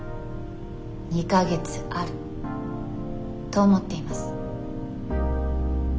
２か月あると思っています。